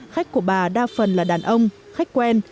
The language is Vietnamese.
khách của bà đa phần là đàn ông khách quen